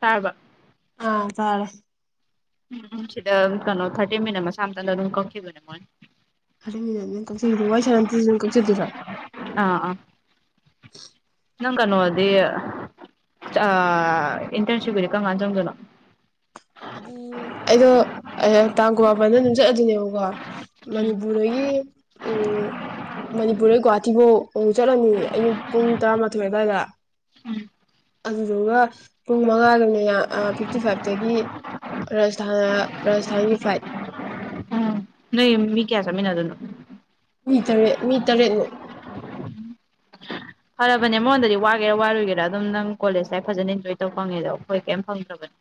ꯇꯥꯔꯕ ꯑꯥ ꯆꯥꯔꯦ ꯎꯝ ꯎꯝ ꯁꯤꯗ ꯀꯩꯅꯣ ꯊꯥꯔꯇꯤ ꯃꯤꯅꯠ ꯃꯁꯥ ꯃꯊꯟꯇ ꯑꯗꯨꯝ ꯀꯛꯈꯤꯕꯅꯦ ꯃꯣꯏꯅ ꯎꯝ ꯎꯝ ꯀꯛꯆꯒꯤꯖꯟ ꯋꯥꯔꯤ ꯁꯥꯟꯅꯗꯁꯨ ꯗꯨꯝ ꯀꯛꯆꯗꯨꯢꯔꯣ ꯑꯥ ꯑꯥ ꯅꯪ ꯀꯩꯅꯣꯗꯤ ꯑꯥ ꯏꯟꯇꯔ꯭ꯟꯁꯤꯞꯀꯤꯗꯤ ꯀꯝ ꯀꯥꯟ ꯆꯪꯗꯣꯏꯅꯣ ꯑꯗꯨ ꯑꯩꯗꯣ ꯑꯗ ꯇꯥꯡ ꯀꯨꯟꯃꯥꯄꯟꯗ ꯑꯗꯨꯝ ꯆꯠꯂꯗꯨꯏꯅꯦꯕꯀꯣ ꯃꯅꯤꯄꯨꯔꯗꯒꯤ ꯎꯝ ꯃꯅꯤꯄꯨꯔꯗꯒꯤ ꯒꯨꯍꯥꯇꯤꯕꯧ ꯑꯃꯨꯛ ꯆꯠꯂꯅꯤ ꯑꯌꯨꯛ ꯄꯨꯡ ꯇꯔꯥꯃꯥꯊꯣꯏ ꯑꯗ꯭ꯋꯥꯏꯗ ꯎꯝ ꯑꯗꯨꯗꯨꯒ ꯄꯨꯡ ꯃꯉꯥꯒ ꯃꯤꯅꯠ ꯑ ꯐꯤꯞꯇꯤ ꯐꯥꯏ꯭ꯚꯇꯒꯤ ꯔꯥꯖꯁꯊꯥꯟꯗ ꯔꯥꯖꯁꯊꯥꯟꯒꯤ ꯐ꯭ꯂꯥꯏꯠ ꯎꯝ ꯅꯣꯢꯒꯤ ꯃꯤ ꯀꯌꯥ ꯆꯠꯃꯤꯟꯅꯗꯨꯢꯅꯣ ꯃꯤ ꯇꯔꯦꯠ ꯃꯤ ꯇꯔꯦꯠꯃꯨꯛ ꯐꯔꯕꯅꯦ ꯑꯃꯉꯣꯟꯗꯗꯤ ꯋꯥꯒꯦꯔꯥ ꯋꯥꯔꯣꯢꯒꯦꯔꯥ ꯑꯗꯨꯝ ꯅꯪ ꯀꯣꯂꯦꯖ ꯂꯥꯏꯐ ꯐꯖꯅ ꯏꯟꯖꯣꯏ ꯇꯧ ꯐꯪꯉꯤꯗꯣ ꯑꯩꯈꯣꯏ ꯀꯩꯢꯝ ꯐꯪꯗ꯭ꯔꯕꯅꯦ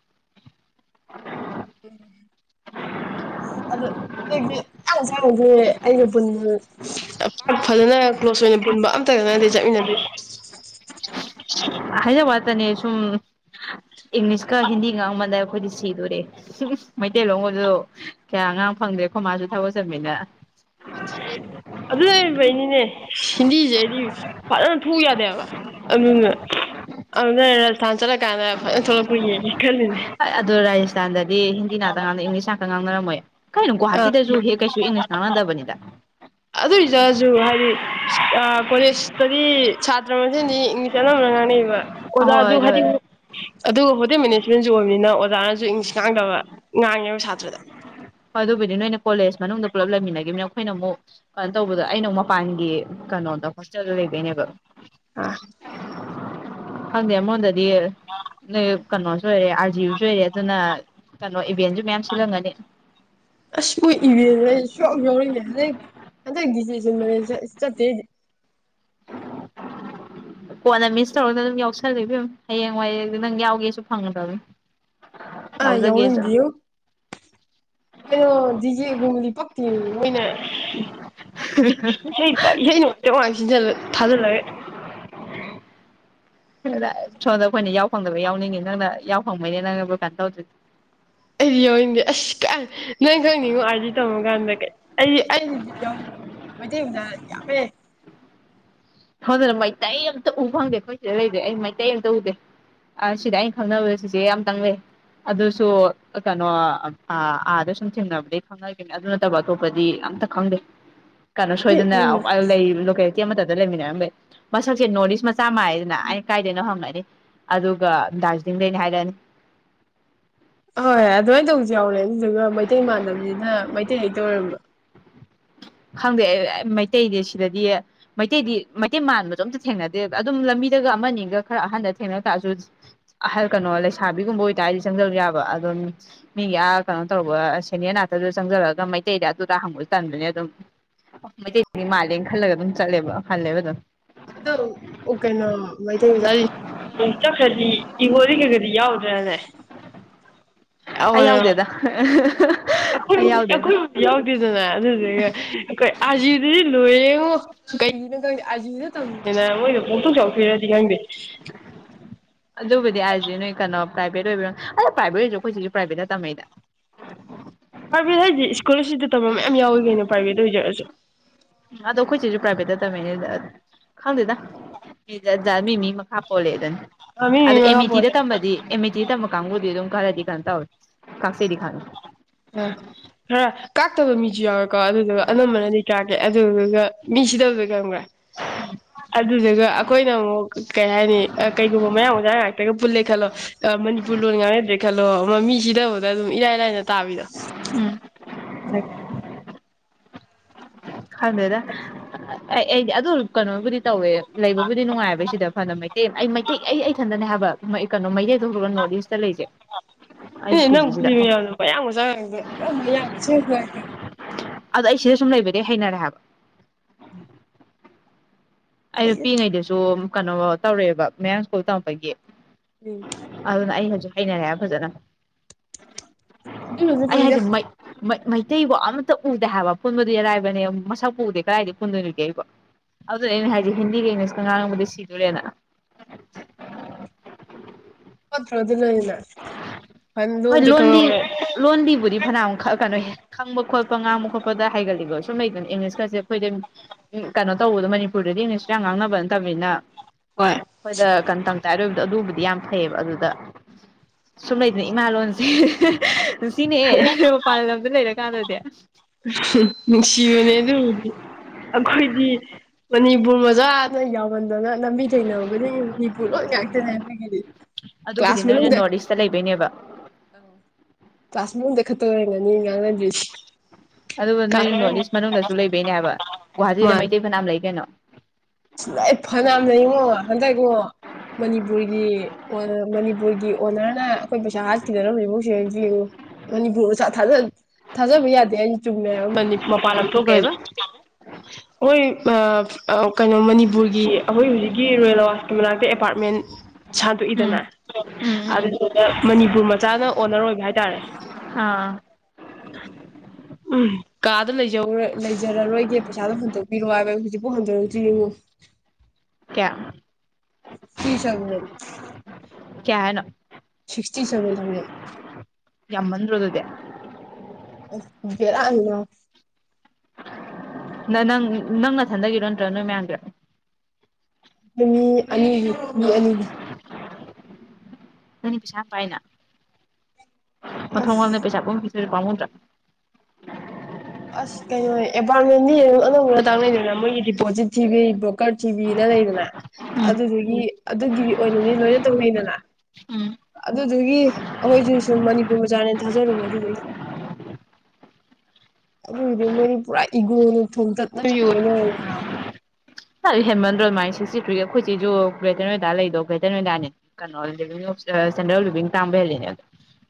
[unintelligible] ꯑꯩ ꯁ꯭ꯋꯥꯢꯕꯧ ꯊꯣꯛꯎꯔꯦ ꯑꯩꯒ ꯄꯨꯟꯕ ꯄꯥꯛ ꯐꯖꯅ ꯀ꯭ꯂꯣꯁ ꯑꯣꯏꯅ ꯄꯨꯟꯕ ꯑꯝꯇꯒ ꯅꯠꯇꯦ ꯆꯠꯃꯤꯟꯅꯗꯣꯢꯖꯦ ꯍꯥꯏꯅꯕ ꯉꯥꯛꯇꯅꯦ ꯁꯨꯝ ꯏꯪꯂꯤꯁꯀ ꯍꯤꯟꯗꯤꯒ ꯉꯥꯡꯃꯟꯗꯅ ꯑꯩꯈꯣꯏꯗꯤ ꯁꯤꯗꯨꯔꯦ ꯃꯩꯇꯩ ꯂꯣꯟꯒꯁꯨ ꯀꯌꯥ ꯉꯥꯡ ꯐꯪꯗ꯭ꯔꯦ ꯑꯩꯈꯣꯢ ꯃꯥꯁꯨ ꯊꯕꯛ ꯆꯤꯟꯃꯤꯅ ꯑꯗꯨ ꯂꯩꯔꯝꯕꯩꯅꯤꯅꯦ ꯍꯤꯟꯗꯤꯖꯦ ꯑꯩꯗꯤ ꯐꯖꯅ ꯊꯣꯛꯎ ꯌꯥꯗꯦ ꯍꯥꯢꯕ ꯑꯗꯨꯅ ꯑꯗꯨꯅ ꯔꯥꯖꯁꯊꯥꯟ ꯆꯠꯂꯀꯥꯟꯗ ꯐꯖꯅ ꯊꯣꯛꯂꯛꯄ꯭ꯔ ꯌꯦꯡꯒꯦ ꯈꯜꯂꯤꯅꯦ ꯍꯣꯢ ꯑꯗꯨ ꯔꯥꯢꯁꯊꯥꯟꯗꯗꯤ ꯍꯤꯟꯗꯤ ꯉꯥꯛꯇ ꯉꯥꯡꯅꯩ ꯏꯪꯂꯤꯁ ꯉꯥꯛꯇ ꯉꯥꯡꯅꯔꯝꯃꯣꯏꯌꯦ ꯀꯥꯢꯅꯣꯝ ꯑꯥ ꯒꯨꯍꯥꯇꯤꯗꯁꯨ ꯍꯦꯛ ꯀꯩꯁꯨ ꯏꯪꯂꯤꯁ ꯉꯥꯡꯅꯗꯕꯅꯤꯗ ꯑꯥ ꯀꯣꯂꯦꯁꯇꯒꯤ ꯁꯥꯇ꯭ꯔ ꯃꯁꯦꯟꯗꯤ ꯏꯪꯂꯤꯁ ꯑꯅꯝꯕꯅ ꯉꯥꯡꯅꯩꯕ ꯑꯣꯖꯥ ꯑꯗꯨ ꯑꯍꯣꯏ ꯍꯥꯢꯗꯤ ꯍꯣꯏ ꯍꯣꯏ ꯑꯗꯨ ꯍꯣꯇꯦꯟ ꯃꯦꯅꯦꯁ ꯇꯨꯌꯦꯟꯁꯨ ꯑꯣꯏꯕꯅꯤꯅ ꯑꯣꯖꯥꯅꯖꯨ ꯏꯪꯂꯤꯁ ꯉꯥꯡꯗꯕ ꯉꯥꯡꯉꯦꯕ ꯁꯥꯇ꯭ꯔꯗ ꯑꯗꯨꯕꯨꯗꯤ ꯅꯣꯏꯅ ꯀꯣꯂꯦꯖ ꯃꯅꯨꯡꯗ ꯄꯨꯜꯂꯞ ꯂꯩꯃꯤꯟꯅꯈꯤꯕꯃꯤꯅ ꯑꯩꯈꯣꯏꯅ ꯑꯃꯨꯛ ꯀꯩꯅꯣ ꯇꯧꯕꯗ ꯑꯩꯅ ꯑꯃ ꯃꯄꯥꯟꯒꯤ ꯀꯩꯅꯣꯗ ꯍꯣꯁꯇꯦꯜꯗ ꯂꯩꯕꯩꯅꯦꯕ ꯑꯥ ꯈꯪꯗꯦ ꯑꯃꯔꯣꯝꯗꯗꯤ ꯅꯣꯏ ꯀꯩꯅꯣꯁꯨ ꯑꯣꯏꯔꯦ ꯑꯥꯔꯒꯤꯌꯨꯁꯨ ꯑꯣꯏꯔꯦ ꯑꯗꯨꯅ ꯀꯩꯅꯣ ꯏꯚꯦꯟꯁꯨ ꯃꯌꯥꯝ ꯁꯤꯜꯂꯝꯒꯅꯤ ꯑꯁ ꯅꯣꯏ ꯏꯕꯦꯟ ꯍꯥꯏꯁꯦ ꯑꯩ ꯁꯨꯌꯥꯎꯅꯤꯡꯗꯦ ꯍꯟꯗꯛ ꯍꯟꯗꯛ ꯗꯤꯖꯦ ꯁꯤꯟꯕꯅꯦ ꯆꯠꯇꯦ ꯀꯣꯟꯅ ꯃꯤꯁ ꯇꯧꯔꯒ ꯑꯗꯨꯝ ꯌꯥꯎꯁꯜꯂꯝ ꯍꯌꯦꯡꯋꯥꯌꯦꯡ ꯅꯪ ꯌꯥꯎꯒꯦꯁꯨ ꯐꯪꯒꯗꯕ ꯑꯗꯨꯅꯤ ꯑ ꯌꯥꯎꯅꯤꯗꯦꯉꯣ ꯀꯩꯅꯣ ꯗꯣꯖꯦꯒꯨꯝꯕꯗꯤ ꯄꯥꯛꯇꯦ ꯃꯣꯏꯅ [unintelligible] ꯇꯣꯛꯂꯥꯎꯅꯥ ꯁꯤꯖꯤꯜꯂ ꯊꯥꯖꯤꯜꯂꯒ ꯁꯣꯝꯗ ꯑꯩꯈꯣꯏꯅ ꯌꯥꯎ ꯐꯪꯗꯕ ꯌꯥꯎꯅꯤꯡꯉꯤ ꯅꯪꯅ ꯌꯥꯎ ꯐꯪꯕꯩꯅꯤ ꯅꯪꯅ ꯕꯨ ꯀꯩꯅꯣ ꯇꯧꯗ꯭ꯔꯤꯗꯣ ꯑꯩꯗꯤ ꯌꯥꯎꯅꯤꯡꯗꯦ ꯑꯁ ꯀꯥꯏ ꯅꯪ ꯈꯪꯅꯤꯡꯉꯣ ꯑꯥꯔꯒꯤꯌꯨ ꯇꯝꯃ ꯀꯥꯟꯗ ꯑꯩ ꯑꯩ ꯕꯤꯠ ꯌꯥꯎꯗꯦꯉꯣ ꯃꯩꯇꯩ ꯃꯆꯥꯉꯥꯛ ꯌꯥꯝꯃꯦ ꯁꯣꯝꯗꯅ ꯃꯩꯇꯩ ꯑꯃꯇ ꯎ ꯐꯪꯗꯦ ꯑꯩꯈꯣꯏ ꯁꯤꯗ ꯂꯩꯁꯦ ꯑꯩ ꯃꯩꯇꯩ ꯑꯃꯇ ꯎꯗꯦ ꯁꯤꯗ ꯑꯩꯅ ꯈꯪꯅꯕ ꯆꯤꯆꯦ ꯑꯃꯇꯪ ꯂꯩ ꯑꯗꯨꯁꯨ ꯀꯩꯅꯣ ꯑꯥꯗ ꯁꯨꯝ ꯊꯦꯡꯅꯕꯗꯤ ꯈꯪꯅꯈꯤꯕꯅꯤ ꯑꯗꯨ ꯅꯠꯇꯕ ꯑꯇꯣꯞꯄꯗꯤ ꯑꯇ ꯈꯪꯗꯦ ꯀꯩꯅꯣ ꯁꯣꯏꯗꯅ ꯎꯝ ꯂꯩ ꯂꯣꯀꯦꯜ ꯑꯃꯇꯥꯗ ꯂꯩꯃꯤꯟꯅ ꯃꯁꯛꯁꯦ ꯅꯣꯔꯠ ꯏꯁ ꯃꯆꯥ ꯃꯗꯅ ꯑ ꯀꯥꯏꯗꯅꯣ ꯍꯪꯉꯅꯤ ꯑꯗꯨꯒ ꯗꯥꯔꯖꯤꯂꯤꯡꯗꯅꯤ ꯍꯥꯏꯔꯛꯑꯅꯤ ꯍꯣꯏ ꯍꯣꯏ ꯑꯗꯨꯃꯥꯏꯅ ꯇꯧꯁꯨ ꯌꯥꯎꯔꯦ ꯑꯗꯨꯗꯨꯒ ꯃꯩꯇꯩ ꯃꯥꯟꯗꯝꯁꯤꯅ ꯃꯩꯇꯩ ꯂꯩꯇ ꯑꯣꯏꯔꯝꯕ ꯈꯪꯗꯦ ꯑꯦ ꯃꯩꯇꯩꯗꯤ ꯁꯤꯗꯗꯤ ꯃꯩꯇꯩꯗꯤ ꯃꯩꯇꯩ ꯃꯥꯟꯕꯗꯣ ꯑꯝꯇ ꯊꯦꯡꯅꯗꯦ ꯑꯗꯨꯝ ꯂꯝꯕꯤꯗꯒ ꯑꯃꯅꯤꯒ ꯈꯔ ꯑꯍꯟꯗ ꯊꯦꯡꯅ ꯇꯛꯑꯁꯨ ꯑꯍꯜ ꯀꯩꯅꯣ ꯂꯩꯁꯥꯕꯤꯒꯨꯝꯕ ꯑꯣꯏꯇꯥꯔꯗꯤ ꯆꯪꯖꯕ ꯌꯥꯕ ꯑꯗꯨꯝ ꯃꯤꯒꯤ ꯑꯥ ꯀꯩꯅꯣ ꯇꯧꯕ ꯁꯦꯅꯤꯌꯔ ꯅꯥꯇꯗꯨꯗ ꯆꯪꯖꯜꯂꯒ ꯃꯩꯇꯩꯗ ꯑꯗꯨꯗ ꯍꯪꯕꯁꯨ ꯇꯟꯕꯅꯦ ꯑꯗꯨꯝ ꯃꯩꯇꯩꯁꯤꯗꯤ ꯃꯥꯜꯂꯦꯅ ꯈꯜꯂꯒ ꯑꯗꯨꯝ ꯆꯠꯂꯦꯕ ꯍꯜꯂꯦꯕ ꯑꯗꯨꯝ ꯑ ꯀꯩꯅꯣ ꯃꯩꯇꯩ ꯃꯖꯥ ꯃ ꯆꯠꯈ꯭ꯔꯗꯤ ꯏꯒꯣꯗꯤ ꯈꯔ ꯈꯗꯤ ꯌꯥꯎꯗ꯭ꯔꯅ ꯑꯩ ꯌꯥꯎꯗꯦꯗ ꯑꯩꯈꯣꯏꯕꯨ ꯑꯩ ꯌꯥꯎꯗꯦꯗ ꯑꯩꯈꯣꯏꯕꯨꯗꯤ ꯌꯥꯎꯗꯦꯗꯅ ꯑꯗꯨꯗꯨꯒ ꯑꯩꯈꯣꯏ ꯑꯥꯔꯖꯤꯌꯨꯗꯗꯤ ꯂꯣꯏꯔꯦꯉꯣ ꯀꯩꯒꯤꯅꯣ ꯈꯪꯗꯦ ꯑꯥꯔꯒꯤꯌꯨꯗ ꯇꯝꯃꯦꯅ ꯃꯣꯏꯗ ꯄꯣꯛꯇꯣꯛ ꯆꯥꯎꯄꯤꯏꯔꯗꯤ ꯈꯪꯗꯦ ꯑꯗꯨꯕꯨꯗꯤ ꯑꯥꯔꯒꯤꯌꯨ ꯅꯣꯏ ꯀꯩꯅꯣ ꯄ꯭ꯔꯥꯏꯚꯦꯠ ꯑꯣꯏꯕ ꯑꯗ ꯄ꯭ꯔꯥꯏꯚꯦꯠ ꯑꯣꯏꯕꯩ ꯑꯗꯣ ꯑꯩꯈꯣꯏ ꯆꯦꯁꯨ ꯄ꯭ꯔꯥꯏꯚꯦꯠꯅ ꯇꯝꯃꯩꯅ ꯄ꯭ꯔꯥꯏꯚꯦꯠ ꯍꯥꯏꯗꯤ ꯏꯁꯤꯀꯣꯜꯂꯔꯁꯤꯞꯇꯥ ꯇꯝꯕ ꯃꯌꯥꯝ ꯌꯥꯎꯋ ꯀꯩꯅ ꯄ꯭ꯔꯥꯏꯚꯦꯠꯇ ꯑꯣꯏꯖꯔꯛꯑꯁꯨ ꯑꯗꯣ ꯑꯩꯈꯣꯏ ꯆꯦꯁꯨ ꯄ꯭ꯔꯥꯏꯚꯦꯠꯇ ꯇꯝꯃꯃꯛ ꯏꯅꯦ ꯈꯪꯗꯦꯗ ꯃꯤ ꯖꯥꯠ ꯖꯥꯠꯅꯤ ꯃꯤ ꯃꯤ ꯃꯈꯥ ꯄꯣꯜꯂꯦꯗꯨꯅꯦ ꯃꯤ ꯑꯗꯣ ꯃꯤ ꯃꯈꯥ ꯑꯦꯃꯤꯇꯤꯗ ꯄꯣꯜꯂꯦ ꯇꯝꯕꯗꯤ ꯑꯦꯃꯤꯇꯤꯗ ꯇꯝꯕ ꯀꯥꯡꯒꯨꯗꯤ ꯑꯗꯨꯝ ꯈꯔꯗꯤ ꯀꯩꯅꯣ ꯇꯧꯑꯦ ꯀꯥꯛꯆꯩꯗꯤ ꯈꯪꯉꯦ ꯑ ꯈꯔ ꯀꯥꯛꯇꯕ ꯃꯤꯁꯨ ꯌꯥꯎꯋꯦ ꯀꯣ ꯑꯗꯨꯗꯨꯒ ꯑꯅꯝꯕꯅꯗꯤ ꯀꯥꯒꯦ ꯑꯗꯨꯗꯨꯒ ꯃꯤ ꯁꯤꯗꯕꯗꯣ ꯈꯪꯕ꯭ꯔꯥ ꯑꯗꯨꯗꯨꯒ ꯑꯩꯈꯣꯏꯅ ꯑꯃꯨꯛ ꯀꯩ ꯍꯥꯏꯅꯤ ꯀꯩꯒꯨꯝꯕ ꯃꯌꯥꯝ ꯑꯣꯖꯥ ꯉꯥꯛꯇꯒ ꯄꯨꯜꯂꯦ ꯈꯜꯂꯣ ꯃꯅꯤꯄꯨꯔ ꯂꯣꯟ ꯉꯥꯡꯅꯗ꯭ꯔꯦ ꯈꯜꯂꯣ ꯑꯃꯥ ꯃꯤꯁꯤꯗꯕꯗ ꯑꯗꯨꯝ ꯏꯔꯥꯏ ꯂꯥꯏꯅ ꯇꯕꯤꯗꯣ ꯈꯟꯗꯅ ꯑꯩ ꯑꯩꯗꯤ ꯑꯗꯨ ꯀꯩꯅꯣꯕꯨꯗꯤ ꯇꯧꯋꯦ ꯂꯩꯕꯕꯨꯗꯤ ꯅꯨꯡꯉꯥꯏꯕꯩ ꯁꯤꯗ ꯐꯅ ꯃꯦ ꯑꯩ ꯃꯩꯇꯩ ꯑꯩ ꯏꯊꯟꯗꯅꯦ ꯍꯥꯏꯕ ꯃ ꯀꯩꯅꯣ ꯃꯩꯇꯩ ꯊꯣꯛ ꯍꯧꯔꯒ ꯅꯣꯔꯠ ꯏꯁ ꯑꯦ ꯅꯪ ꯄꯨꯜꯂꯤ ꯃꯌꯥꯝꯗꯣ ꯃꯌꯥꯡ ꯃꯆꯥ ꯉꯥꯛꯇ [unintelligible] [unintelligible] ꯑꯗ ꯑꯩ ꯁꯤꯗ ꯁꯨꯝ ꯂꯩꯕꯗꯤ ꯍꯩꯅꯔꯦ ꯍꯥꯏꯕ ꯑꯩꯁꯨ ꯐꯩꯗ ꯄꯤꯛꯉꯩꯗꯁꯨ ꯀꯩꯅꯣ ꯇꯧꯔꯛꯦꯕ ꯃꯌꯥꯝ ꯁ꯭ꯀꯨꯜ ꯇꯧꯔꯄꯒꯤ ꯎꯝ ꯑꯗꯨꯅ ꯑꯩ ꯍ ꯥꯏꯅꯔ ꯐꯖꯅ ꯑꯗꯨ ꯑꯗꯨꯌꯦ ꯀꯣꯏꯔ ꯃꯩꯇꯩꯐꯣ ꯑꯃꯠꯇ ꯎꯗꯦ ꯍꯥꯏꯕ ꯄꯨꯟꯕꯗꯨ ꯑꯔꯥꯏꯕꯅꯦ ꯃꯁꯛꯄꯗꯦ ꯀꯗꯥꯏꯗꯤ ꯄꯨꯟꯗꯣꯏꯅꯒꯦꯕ ꯑꯗꯨꯗ ꯑꯩꯅ ꯍꯥꯏ ꯍꯤꯟꯗꯤꯒ ꯏꯪꯂꯤꯁꯀ ꯉꯥꯡꯉꯨꯕꯗꯤ ꯁꯤꯗꯣꯔꯦꯅ ꯄꯊ ꯍꯣꯏ ꯂꯣꯟꯂꯤ ꯈꯪꯍꯧꯔꯦ ꯂꯣꯟꯕꯤꯕꯨꯗꯤ ꯐꯅ ꯑꯃꯨꯛꯛ ꯀꯩꯅꯣ ꯈꯪꯕ ꯈꯣꯠꯄ ꯉꯥꯡꯕ ꯈꯣꯠꯄꯗ ꯍꯥꯏꯒꯠꯂꯤꯀꯣ ꯁꯨꯝ ꯂꯩꯗꯅ ꯏꯪꯂꯤꯁꯀꯁꯦ ꯑꯩꯈꯣꯏꯗ ꯀꯩꯅꯣ ꯇꯧꯕꯗꯣ ꯃꯅꯤꯄꯨꯔꯗꯗꯤ ꯏꯪꯂꯤꯁꯁꯨ ꯌꯥꯝ ꯉꯥꯡꯅꯕ ꯅꯠꯇꯕꯅꯤꯅ ꯍꯣꯏ ꯍꯣꯏꯗ ꯀꯟ ꯇꯪ ꯆꯥꯏꯔꯣꯏꯕꯗꯣ ꯑꯗꯨꯕꯨꯗꯤ ꯌꯥꯝ ꯐꯩꯑꯕ ꯑꯗꯨꯗ ꯁꯨꯝ ꯂꯩꯗꯅꯦ ꯏꯃꯥ ꯂꯣꯟꯁꯦ ꯁꯤꯅꯦ ꯄꯜꯂꯝ ꯂꯩꯔ ꯀꯥꯟꯗꯗꯦ ꯅꯨꯡꯁꯤꯕꯅꯦ ꯑꯗꯨꯕꯨꯗꯤ ꯑꯩꯈꯣꯏꯗꯤ ꯃꯅꯤꯄꯨꯔ ꯃꯆꯥꯥꯅ ꯌꯥꯎꯃꯟꯗꯅ ꯂꯝꯕꯤ ꯇꯩꯅꯕ ꯄꯨꯂꯣ ꯌꯥꯇ ꯀ ꯀ꯭ꯂꯥꯁ ꯑꯗꯨꯕꯨꯗꯤ ꯅꯣꯏꯅ ꯃꯅꯨꯡꯗ ꯅꯣꯔꯠ ꯏꯁꯇ ꯂꯩꯕꯩꯅꯦꯕ ꯀ꯭ꯂꯥꯁ ꯃꯅꯨꯡꯗꯗ ꯈꯠꯇ ꯑꯣꯏꯔ ꯉꯅꯤ ꯉꯥꯡꯅꯗꯦꯁꯤ ꯑꯗꯨꯒ ꯅꯣꯏ ꯅꯣꯔꯠ ꯏꯁ ꯃꯅꯨꯡꯗꯁꯨ ꯂꯩꯕꯩꯅꯦꯕ ꯒꯨꯍꯥꯇꯤꯗ ꯃꯩꯇꯩ ꯐꯅꯌꯥꯝ ꯂꯩ ꯀꯩꯅꯣ ꯁꯨꯂꯥꯏ ꯐꯅꯌꯥꯝꯅ ꯌꯦꯡꯉꯣ ꯍꯟꯗꯛ ꯏꯉꯣ ꯃꯅꯤꯄꯨꯔꯒꯤ ꯃꯅꯤꯄꯨꯔꯒꯤ ꯑꯣꯅꯔꯅ ꯑꯩꯈꯣꯏ ꯄꯩꯁꯥ ꯍꯥꯠꯈꯤꯗꯕ ꯏꯕꯁ ꯌꯦꯡꯉꯣ ꯃꯅꯤꯄꯨꯔ ꯊꯥꯖꯕ ꯌꯥꯗꯦ ꯍꯥꯏ ꯆꯨꯝꯃꯦ ꯃꯄꯥꯟ ꯃꯅꯤꯄꯨꯔ ꯂꯧꯊꯣꯛꯈ꯭ꯔꯗꯤ ꯀꯩꯕ ꯑꯩꯣꯏ ꯑ ꯀꯩꯅꯣ ꯃꯅꯤꯄꯨꯔꯒꯤ ꯑꯩꯈꯣꯏ ꯍꯧꯖꯤꯛꯀꯤ ꯔꯨꯔꯦꯜ ꯑꯋꯥꯁꯀꯤ ꯃꯅꯥꯛꯇ ꯑꯦꯄꯥꯔꯠꯃꯦꯟ ꯎꯝ ꯁꯟꯗꯣꯛꯏꯗꯅ ꯎꯝ ꯎꯝ ꯑꯗꯨꯗꯨꯗ ꯃꯅꯤꯄꯨꯔ ꯃꯆꯥꯅ ꯑꯣꯅꯔ ꯑꯣꯏꯕ ꯍꯥꯏꯇꯥꯔꯦ ꯑꯥ ꯑꯥ ꯎꯝ ꯀꯥ ꯂꯩꯖꯔꯔꯣꯏꯒ ꯄꯩꯁꯥꯗꯣ ꯍꯟꯗꯣꯛꯄꯤꯔꯑꯣ ꯍꯥꯏꯕ ꯍꯧꯖꯤꯛꯇ ꯎꯟꯗ ꯑꯦꯄꯨ ꯀꯌꯥ ꯐ ꯆꯪꯒ ꯀꯅꯣ ꯁꯤꯛꯁꯇꯤ ꯁꯦꯚꯦꯟ ꯊꯥꯎꯖꯟ ꯌꯥꯝꯃꯟꯔꯣꯗꯗ ꯑ ꯀꯔꯅꯤꯅ ꯅ ꯅꯪ ꯅꯪꯅꯊꯟꯗꯒꯤꯔꯣ ꯅꯠꯇ꯭ꯔꯣ ꯅꯣꯏ ꯃꯌꯥꯝꯒꯤꯔ ꯃꯤ ꯑꯅꯤ ꯃꯤ ꯑꯅꯤꯅꯤ ꯀꯅꯤ ꯄꯁꯥ ꯄꯥꯏꯅ ꯑꯁ ꯃꯊꯣꯡꯣꯣꯟꯅ ꯄꯩꯁꯥ ꯀꯨꯝ ꯑꯗꯨꯔ ꯄꯃꯗ ꯑꯁ ꯀꯩꯅꯣ ꯑꯦꯄꯥꯥꯎꯔꯠꯃꯦꯟꯗꯤ ꯑꯅꯧꯧꯕꯅ ꯇꯥꯛꯅꯗꯅ ꯃꯣꯏꯒꯤ ꯗꯤꯄꯣꯖꯤꯠ ꯊꯤꯕꯤꯔꯤꯕ꯭ꯔ ꯀꯔꯊꯤꯕꯤꯅ ꯂꯩꯗꯅ ꯑꯗꯨꯗꯒꯤ ꯑꯗꯨꯒꯤ ꯑꯣꯏꯅꯅꯤ ꯂꯣꯏꯅ ꯇꯧꯕꯤꯗꯅ ꯎꯝ ꯑꯗꯨꯒꯤ ꯑꯩꯈꯣꯏꯁꯨ ꯁꯨꯝ ꯃꯅꯤꯄꯨꯔ ꯃꯆꯥꯥꯅꯦꯅ ꯊꯥꯖꯔꯨꯕꯣ ꯑꯗꯨꯗꯒꯤ ꯑꯗꯨ ꯑꯣꯏꯗꯤ ꯃꯅꯤ ꯄꯨꯔꯥ ꯏꯒꯣꯅ ꯊꯣꯡ ꯇꯠꯇ ꯑꯣꯏꯅꯅ ꯍꯦꯟꯃꯟꯗꯣ ꯑꯗꯨꯃꯥꯏꯅ ꯁꯤꯛꯁꯇꯤ ꯊ꯭ꯔꯤꯒꯤ ꯑꯩꯈꯣꯏꯁꯤꯁꯨ ꯒ꯭ꯔꯦꯇꯔ ꯅꯣꯏꯗꯥ ꯂꯩꯗꯣ ꯒ꯭ꯔꯦꯇꯔ ꯅꯣꯏꯗꯥꯅꯦ ꯀꯩꯅꯣ ꯂꯤꯦꯟꯗꯔ ꯑꯣꯐ ꯂꯤꯚꯡ ꯇꯥꯡꯕ ꯍꯦꯜꯂꯤꯅꯦ ꯑꯣ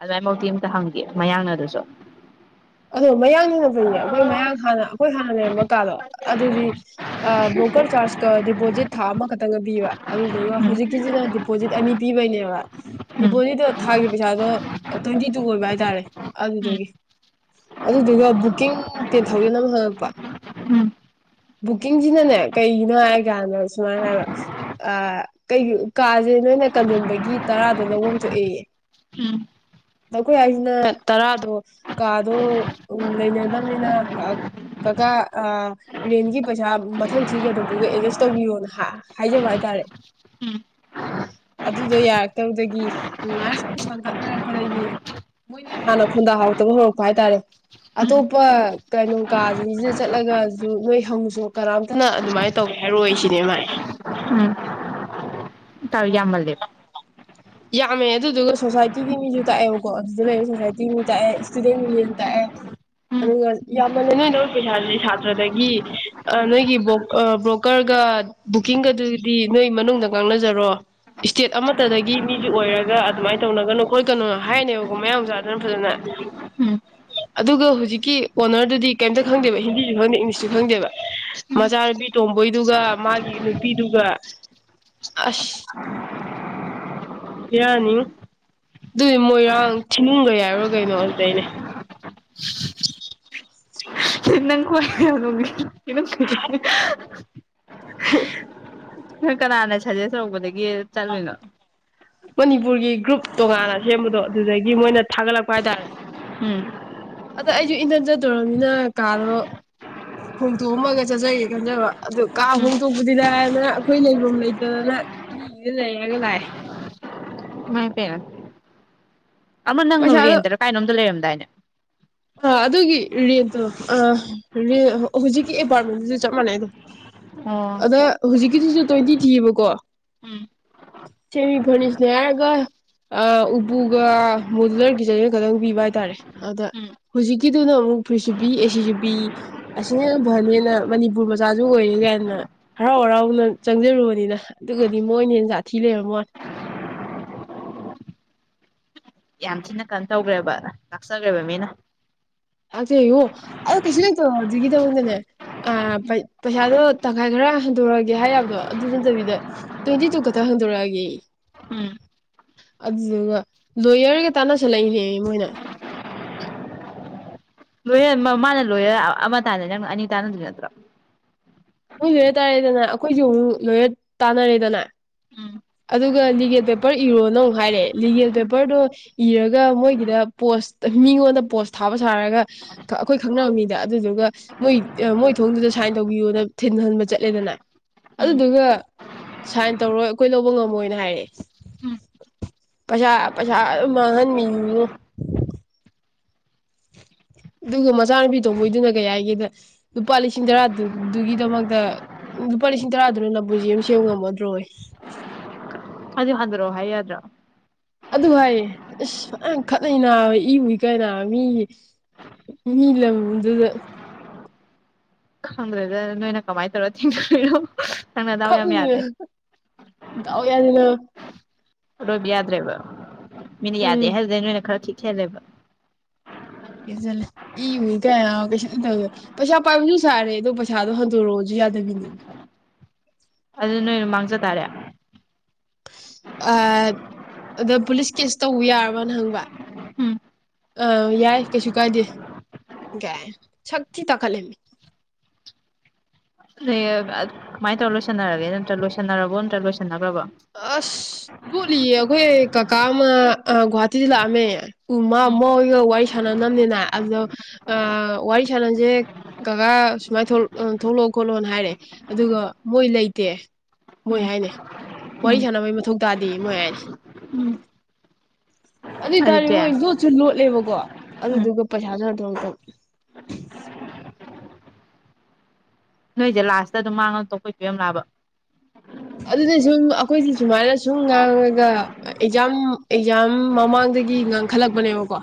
ꯑꯗꯨꯃꯥꯏꯐꯧꯛꯇꯤ ꯑꯝꯇ ꯍꯪꯒꯦ ꯃꯌꯥꯡꯅ ꯑꯗꯨꯁꯨ ꯑꯗꯣ ꯃꯌꯥꯡ ꯂꯩꯅ ꯐꯩꯅꯦ ꯑꯩꯈꯣꯏ ꯃꯌꯥꯡ ꯍꯥꯟꯅ ꯑꯩꯈꯣꯏ ꯍꯥꯟꯅ ꯂꯩꯔꯝꯝꯕ ꯀꯥꯟꯗꯣ ꯑꯗꯨꯗꯤ ꯑ ꯕ꯭ꯔꯣꯀꯔ ꯆꯥꯔꯖꯀ ꯗꯤꯄꯣꯖꯤꯠ ꯊꯥ ꯑꯃꯈꯛꯇꯪꯒ ꯄꯤꯕ ꯑꯗꯨꯗꯨꯒ ꯎꯝ ꯍꯧꯖꯤꯛꯀꯤꯁꯤꯅ ꯗꯤꯄꯣꯖꯤꯠ ꯑꯅꯤ ꯄꯤꯕꯩꯅꯦꯕ ꯎꯝ ꯗꯤꯄꯣꯖꯤꯠꯇꯣ ꯊꯥꯒꯤ ꯄꯩꯁꯥꯗꯣ ꯇ꯭ꯋꯦꯟꯇꯤ ꯇꯨ ꯑꯣꯏꯕ ꯍꯥꯏꯇꯥꯔꯦ ꯑꯗꯨꯗꯒꯤ ꯑꯗꯨꯗꯨꯒ ꯕꯨꯛꯀꯤꯡ ꯇꯦꯟ ꯊꯥꯎꯖꯟ ꯑꯃ ꯍꯪꯉꯛꯄ ꯎꯝ ꯕꯨꯛꯀꯤꯡꯁꯤꯅꯅꯦ ꯀꯩꯒꯤꯅꯣ ꯍꯥꯏ ꯀꯥꯟꯗ ꯁꯨꯃꯥꯏꯅ ꯍꯥꯏꯕ ꯀ ꯀꯥꯁꯦ ꯅꯣꯏꯅ ꯀꯟꯁꯤꯟꯕꯒꯤ ꯇꯔꯥꯗ ꯂꯧꯐꯝ ꯊꯣꯛꯑꯌꯦ ꯎꯝ ꯑꯩꯈꯣꯏ ꯍꯥꯏꯁꯤꯅ ꯇꯔꯥꯗꯣ ꯀꯥꯗꯣ ꯂꯩꯅꯗꯕꯅꯤꯅ ꯀꯀꯥ ꯔꯦꯟꯒꯤ ꯄꯩꯁꯥ ꯃꯊꯪ ꯊꯤꯒꯗꯕꯗꯨꯒ ꯑꯦꯗꯖꯁ ꯇꯧꯕꯤꯌꯣꯅ ꯍꯥꯏꯖꯕ ꯍꯥꯏꯇꯥꯔꯦ ꯎꯝ ꯎꯝ ꯑꯗꯨꯗꯣ ꯌꯥꯔꯛꯇꯕꯗꯒꯤ ꯑꯗꯨꯃꯥꯏꯅ ꯁꯨꯝ ꯁꯥꯒꯠꯅꯔꯛꯄꯗꯒꯤ ꯃꯣꯏꯅ ꯍꯥꯟꯅ ꯈꯨꯣꯟꯟꯗꯥ ꯍꯔꯗꯕ ꯍꯧꯔꯛꯄ ꯍꯥꯏꯇꯥꯔꯦ ꯎꯝ ꯑꯇꯣꯞꯄ ꯀꯩꯅꯣ ꯀꯥꯁꯤꯡꯁꯤꯗ ꯆꯠꯂꯒꯁꯨ ꯅꯣꯏ ꯍꯪꯉꯨꯁꯨ ꯀꯅꯥꯝꯇꯅ ꯑꯗꯨꯃꯥꯏꯅ ꯇꯧꯒꯦ ꯍꯥꯏꯔꯣꯏ ꯁꯤꯅꯦ ꯃꯥꯥꯏ ꯇꯧ ꯌꯥꯝꯃꯜꯂꯦꯕ ꯌꯥꯝꯃꯦ ꯑꯗꯨꯗꯨꯒ ꯁꯣꯁꯥꯏꯇꯤꯒꯤ ꯃꯤꯁꯨ ꯇꯥꯛꯑꯦꯕꯀꯣ ꯑꯗꯨꯗ ꯂꯩꯔ ꯁꯣꯁꯥꯏꯇꯤꯒꯤ ꯃꯤ ꯇꯥꯛꯑꯦ ꯏꯁꯇꯨꯗꯦꯟ ꯌꯨꯅꯤꯌꯟ ꯇꯥꯛꯑꯦ ꯎꯝ ꯑꯗꯨꯒ ꯌꯥꯝꯃꯅꯦ ꯅꯣꯏꯅ ꯄꯩꯁꯥꯥꯁꯦ ꯁꯥꯇ꯭ꯔꯗꯒꯤ ꯅꯣꯏꯒꯤ ꯕ꯭ꯔꯣꯀꯔꯒ ꯕꯨꯛꯀꯤꯡꯒꯗꯨꯗꯤ ꯅꯣꯏ ꯃꯅꯨꯡꯗ ꯉꯥꯡꯅꯖꯔꯣ ꯏꯁꯇꯦꯠ ꯑꯃꯠꯇꯗꯒꯤ ꯃꯤ ꯑꯣꯏꯔꯒ ꯑꯗꯨꯃꯥꯏꯅ ꯇꯧꯅꯒꯅꯨ ꯈꯈꯣꯏ ꯀꯅꯣ ꯍꯥꯏꯅꯦꯕꯀꯣ ꯃꯌꯥꯝ ꯆꯥꯗꯅ ꯐꯖꯅ ꯎꯝ ꯑꯗꯨꯒ ꯍꯧꯖꯤꯛꯀꯤ ꯑꯣꯅꯔꯗꯨꯗꯤ ꯀꯩꯝꯇ ꯈꯪꯗꯦꯕ ꯍꯤꯟꯗꯤꯁꯨ ꯈꯪꯗꯦ ꯏꯪꯂꯤꯁꯁꯨ ꯈꯪꯗꯦꯕ ꯃꯆꯥꯅꯨꯄꯤ ꯇꯣꯝꯕꯣꯏꯗꯨꯒ ꯃꯥꯒꯤ ꯅꯨꯄꯤꯗꯨꯒ ꯑꯁ ꯌꯥ ꯌꯥꯅꯤ ꯑꯗꯨꯗꯤ ꯃꯣꯏꯔꯥꯡ ꯊꯤꯟꯅꯤꯡꯒ ꯌꯥꯎꯔꯣ ꯀꯩꯅꯣ ꯑꯗꯨꯗꯩꯅꯦ ꯆ ꯅꯪ ꯀꯋꯥꯣ ꯀ ꯅꯣꯏ ꯀꯅꯥꯅ ꯁꯖꯦꯁ ꯇꯧꯕꯗꯒꯤ ꯆꯠꯂꯨꯏꯅꯣ ꯃꯅꯤꯄꯨꯔꯒꯤ ꯒ꯭ꯔꯨꯞ ꯇꯣꯉꯥꯟꯅ ꯁꯦꯝꯕꯗꯣ ꯑꯗꯨꯗꯒꯤ ꯃꯣꯏꯅ ꯊꯥꯒꯠꯂꯛꯄ ꯍꯥꯏꯇꯥꯔꯦ ꯎꯝ ꯑꯗ ꯑꯩꯁꯨ ꯏꯟꯊꯟ ꯆꯠꯇꯣꯔꯅꯤꯅ ꯀꯥꯗꯣ ꯍꯣꯡꯗꯣꯛꯑꯝꯃꯒ ꯆꯠꯆꯒꯦ ꯈꯟꯖꯕ ꯑꯗꯨ ꯀꯥ ꯎꯝ ꯍꯣꯡꯗꯣꯛꯄꯗꯤꯗ ꯑꯩꯈꯣꯏ ꯂꯩꯐꯝ ꯂꯩꯇꯗꯅ ꯃꯤꯁꯤꯗ ꯂꯩꯔꯒ ꯂꯥꯛꯑꯦ ꯃꯥꯏ ꯇꯔ ꯑꯃ ꯅꯪ ꯔꯦꯟꯗꯔꯥ ꯀꯥꯏꯅꯣꯝꯗ ꯂꯩꯔꯝꯗꯣ ꯥꯏꯩꯅ ꯑ ꯑꯗꯨꯒꯤ ꯔꯦꯟꯠꯇꯣ ꯍꯧꯖꯤꯛꯀꯤ ꯑꯦꯄꯥꯔꯠꯃꯦꯟꯗꯨꯁꯨ ꯆꯞ ꯃꯥꯟꯅꯩꯗꯣ ꯑꯣ ꯑꯗ ꯍꯧꯖꯤꯛꯀꯤꯁꯤꯁꯨ ꯇ꯭ꯋꯦꯟꯇꯤ ꯊꯤꯑꯕꯀꯣ ꯎꯝ ꯁꯦꯃꯤ ꯐꯔꯅꯤꯁꯅꯦ ꯍꯥꯏꯔꯒ ꯎꯄꯨꯒ ꯃꯣꯗꯨꯂꯔ ꯀꯆꯟꯒ ꯈꯛꯇꯪ ꯄꯤꯕ ꯍꯥꯏꯇꯥꯔꯦ ꯑꯗ ꯎꯝ ꯍꯧꯖꯤꯛꯀꯤꯗꯨꯅ ꯑꯃꯨꯛ ꯐ꯭ꯔꯤꯁꯨꯕꯤꯤ ꯑꯦꯁꯨꯕꯤ ꯑꯁꯤꯅ ꯍꯦꯟꯅ ꯐꯅꯤ ꯍꯦꯅ ꯃꯅꯤꯄꯨꯔ ꯃꯆꯥꯁꯨ ꯑꯣꯏꯔꯦ ꯀꯥꯏꯅ ꯍꯔꯥꯎ ꯍꯔꯥꯎꯅ ꯆꯪꯖꯔꯨꯕꯅꯤꯅ ꯑꯗꯨꯒꯗꯤ ꯃꯣꯏꯅ ꯍꯦ ꯁꯥꯥꯊꯤ ꯂꯩꯔꯝꯃꯅꯤ ꯌꯥꯝ ꯊꯤꯅ ꯀꯩꯅꯣ ꯇꯧꯈ꯭ꯔꯦꯕ ꯂꯥꯛꯆꯈ꯭ꯔꯦꯕ ꯃꯤꯅ ꯥꯛꯆꯦꯉꯣ ꯑꯗ ꯀꯩꯁꯨ ꯂꯩꯇꯣ ꯑꯗꯨꯒꯤꯗꯗꯅꯦ ꯄꯩꯁꯥꯗꯣ ꯇꯪꯈꯥꯏ ꯈꯔ ꯍꯟꯗꯣꯔꯛꯑꯒꯦ ꯍꯥꯏꯕꯗꯣ ꯑꯗꯨ ꯅꯠꯇꯕꯤꯗ ꯇ꯭ꯋꯦꯟꯇꯤ ꯇꯨ ꯈꯛꯇꯪ ꯍꯟꯗꯣꯔꯛꯑꯒꯦ ꯎꯝ ꯑꯗꯨꯗꯨꯒ ꯂꯣꯌꯔꯒ ꯇꯥꯟꯅꯁꯜꯂꯛꯏꯅꯦ ꯃꯣꯏꯅ ꯂꯣꯏꯔ ꯃꯃꯥꯅ ꯂꯣꯏꯔ ꯑꯃ ꯇꯥꯅꯅꯤ ꯅꯪ ꯑꯅꯤ ꯇꯥꯅꯗꯣꯏ ꯅꯠꯇ꯭ꯔꯣ ꯅꯣꯏ ꯂꯣꯏꯔ ꯇꯥꯔꯦꯗꯅ ꯑꯩꯈꯣꯏꯁꯨ ꯑꯃꯨꯛ ꯂꯣꯏꯔ ꯇꯥꯟꯅꯔꯦꯗꯅ ꯎꯝ ꯑꯗꯨꯒ ꯂꯤꯒꯦꯜ ꯄꯦꯄꯔ ꯏꯔꯣꯅ ꯑꯃꯨꯛ ꯍꯥꯏꯔꯦ ꯂꯤꯒꯦꯜ ꯄꯦꯄꯔꯗꯣ ꯏꯔꯒ ꯃꯣꯏꯒꯤꯗ ꯄꯣꯁ ꯃꯤꯉꯣꯟꯗ ꯄꯣꯁ ꯊꯥꯕ ꯁꯥꯔꯒ ꯑꯩꯈꯣꯏ ꯈꯪꯅꯅꯕꯝꯅꯤꯗ ꯑꯗꯨꯗꯨꯒ ꯃꯣꯏ ꯃꯣꯏ ꯊꯣꯡꯗꯨꯗ ꯁꯥꯏꯟ ꯇꯧꯕꯤꯌꯣꯅ ꯊꯤꯟꯍꯟꯕ ꯆꯠꯂꯦꯗꯅ ꯎꯝ ꯑꯗꯨꯗꯨꯒ ꯁꯥꯏꯟ ꯇꯧꯔꯣ ꯑꯩꯈꯣꯏ ꯂꯧꯕ ꯉꯝꯃꯣꯏꯅ ꯍꯥꯏꯔꯛꯑꯦ ꯄꯩꯁꯥ ꯄꯩꯁꯥ ꯑꯗꯨꯝ ꯃꯥꯡꯍꯟꯅꯤꯡꯉꯨ ꯑꯗꯨꯒ ꯃꯆꯥꯅꯨꯄꯤ ꯇꯧꯕꯣꯏꯗꯨꯅ ꯀꯩ ꯍꯥꯏꯒꯦꯗ ꯂꯨꯄꯥ ꯂꯤꯁꯤꯡ ꯇꯔꯥꯗꯨꯒꯤꯗꯃꯛꯇ ꯂꯨꯄꯥ ꯂꯤꯁꯤꯡ ꯇꯔꯥꯗꯨꯅ ꯅꯄꯨꯜꯁꯤ ꯑꯝ ꯁꯦꯝꯕ ꯉꯝꯃꯗ꯭ꯔꯣꯏ ꯑꯗꯨ ꯍꯟꯊꯔꯛꯑꯣ ꯍꯥꯏ ꯌꯥꯗ꯭ꯔꯥ ꯑꯗꯨ ꯍꯥꯏꯌꯦ ꯑꯁ ꯌꯥꯝ ꯈꯠꯅꯩ ꯅꯥꯕ ꯏꯕꯨꯨꯏ ꯀꯥꯏ ꯅꯥ ꯃꯤꯒꯤ ꯃꯤ ꯂꯝꯗꯨꯗ ꯈꯪ꯭ꯔꯦꯗ ꯅꯅꯅ ꯀꯃꯥꯏ ꯇꯧꯔꯣ ꯊꯤꯡꯣ ꯅꯪ ꯅꯗꯥꯎ ꯌꯥꯝ ꯌꯥꯗꯦ ꯌꯥꯎ ꯌꯥꯗꯅ ꯔꯣꯕ ꯌꯥꯗ꯭ꯔꯦꯕ ꯃꯦꯅ ꯌꯥꯗ ꯎꯝ ꯍꯔꯗꯤꯅ ꯃꯅ ꯈꯔ ꯈꯦꯂꯦꯕ [unintelligible] ꯏꯕꯨ ꯀꯌꯥ ꯀꯩꯁꯨ ꯄꯩꯁꯥ ꯄꯥꯏꯕꯁꯨ ꯁꯥꯔꯦ ꯑꯗꯣ ꯄꯩꯁꯥꯗꯣ ꯍꯟꯗꯣꯔꯛꯑꯣꯁꯨ ꯌꯥꯗꯕꯤꯅꯦꯃꯤ ꯑꯗꯨ ꯅꯣꯏꯅ ꯃꯥꯡꯖ ꯇꯥꯔꯦ ꯑ ꯑꯗ ꯄꯨꯂꯤꯁ ꯀꯦꯁ ꯇꯧꯕ ꯌꯥꯔꯕꯅ ꯍꯪꯕ ꯎꯝ ꯑ ꯌꯥꯏ ꯀꯩꯁꯨ ꯀꯥꯏꯗꯦ ꯀꯥꯏ ꯁꯛ ꯊꯤ ꯇꯥꯈꯠꯂꯦꯃꯤ ꯑ ꯀꯃꯥꯏꯅ ꯇꯧꯔ ꯂꯣꯏꯁꯟꯅꯔꯒꯦ ꯅꯠꯇ꯭ꯔ ꯂꯣꯏꯁꯟꯅꯔꯕꯣ ꯅꯠꯇ꯭ꯔꯒ ꯂꯣꯏꯁꯤꯟꯅꯈ꯭ꯔꯕꯣ ꯑꯁ ꯂꯣꯠꯂꯤꯌꯦ ꯑꯩꯈꯣꯏ ꯀꯀꯥ ꯑꯃ ꯒꯨꯍꯥꯇꯤꯗ ꯂꯥꯛꯑꯝꯃꯦ ꯎ ꯃꯥ ꯎꯝ ꯃꯣꯏꯒ ꯋꯥꯔꯤ ꯁꯥꯟꯅꯅꯕꯅꯤꯅ ꯑꯗꯣ ꯋꯥꯔꯤ ꯁꯥꯟꯅꯁꯦ ꯀꯀꯥ ꯁꯨꯃꯥꯏꯅ ꯊꯣꯛꯂꯛꯑꯣ ꯈꯣꯠꯂꯣꯅ ꯍꯥꯏꯔꯦ ꯑꯗꯨꯒ ꯃꯣꯏ ꯂꯩꯇꯦ ꯃꯣꯏ ꯎꯝ ꯍꯥꯏꯅꯤ ꯋꯥꯔꯤ ꯎꯝ ꯁꯥꯟꯅꯕꯩ ꯃꯊꯧ ꯇꯥꯗꯦ ꯃꯣꯏ ꯍꯥꯏꯅꯦ ꯎꯝ ꯑꯗꯨꯗ ꯑꯗꯨꯗꯤ ꯇꯥꯔꯦꯉꯣꯏ ꯏꯟꯣ ꯆꯁꯨ ꯂꯣꯠꯂꯦꯕ ꯀꯣ ꯎꯝ ꯑꯗꯨꯗꯨꯒ ꯄꯩꯁꯥꯁꯨ ꯑꯗꯨꯝꯇꯪ ꯅꯣꯏꯁꯦ ꯂꯥꯁꯇ ꯑꯗꯨꯝ ꯃꯥꯡꯉꯛꯇ ꯈꯣꯏꯠꯇ ꯌꯥꯝ ꯂꯥꯑꯕ ꯑꯗꯨꯗꯤ ꯁꯨꯝ ꯑꯩꯈꯣꯏꯁꯦ ꯁꯨꯃꯥꯏꯅ ꯁꯨꯝ ꯉꯥꯡꯉꯒ ꯑꯦꯛꯖꯥꯝ ꯑꯦꯛꯖꯥꯝ ꯃꯃꯥꯡꯗꯒꯤ ꯉꯥꯡꯈꯠꯂꯛꯄꯅꯦꯕꯀꯣ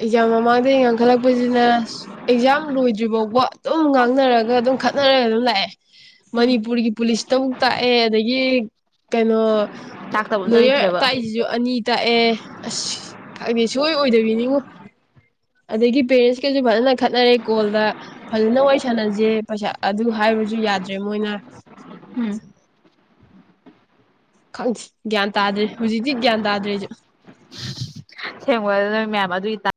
ꯑꯦꯛꯖꯥꯝ ꯃꯃꯥꯡꯗꯒꯤ ꯉꯥꯡꯈꯠꯂꯛꯄꯁꯤꯅ ꯑꯦꯛꯖꯥꯝ ꯂꯣꯏꯗ꯭ꯔꯤ ꯐꯥꯎꯕ ꯑꯗꯨꯝ ꯉꯥꯡꯅꯔꯒ ꯑꯗꯨꯝ ꯈꯠꯅꯔꯒ ꯑꯗꯨꯝ ꯂꯥꯛꯑꯦ ꯃꯅꯤꯄꯨꯔꯒꯤ ꯄꯨꯂꯤꯁꯇꯕꯨꯨꯛ ꯇꯥꯛꯑꯦ ꯑꯗꯒꯤ ꯀꯩꯅꯣ ꯇꯥꯛꯇꯕ ꯑꯝꯇ ꯂꯣꯏꯣꯌꯔ ꯂꯩꯇ꯭ꯔꯦꯕ ꯇꯥꯛꯏꯁꯤꯁꯨ ꯑꯅꯤ ꯇꯥꯛꯑꯦ ꯑꯁꯗꯤ ꯁꯨꯡꯣꯏ ꯑꯣꯏꯗꯕꯤꯅꯤꯉꯣ ꯑꯗꯒꯤ ꯄꯦꯔꯦꯟꯁꯀꯁꯨ ꯐꯖꯅ ꯈꯠꯅꯔꯦ ꯀꯣꯜꯗ ꯐꯖꯅ ꯋꯥꯔꯤ ꯁꯥꯟꯅꯁꯦ ꯄꯩꯁꯥ ꯑꯗꯨ ꯍꯥꯏꯔꯨꯔꯁꯨ ꯌꯥꯗ꯭ꯔꯦ ꯃꯣꯏꯅ ꯈꯪꯁꯤ ꯒ꯭ꯌꯥꯟ ꯇꯥꯗ꯭ꯔꯦ ꯍꯧꯖꯤꯛꯇꯤ ꯒ꯭ꯌꯥꯟ ꯇꯥꯗ꯭ꯔꯦꯁꯨ ꯁꯦꯝꯒꯗ ꯅꯣꯏ ꯃꯌꯥꯝ ꯑꯗꯨꯒꯤ ꯇ